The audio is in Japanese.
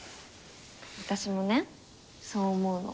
私もねそう思うの。